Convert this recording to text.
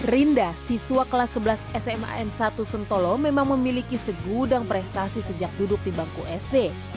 rinda siswa kelas sebelas sma n satu sentolo memang memiliki segudang prestasi sejak duduk di bangku sd